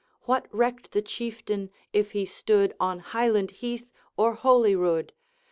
What recked the Chieftain if he stood On Highland heath or Holy Rood?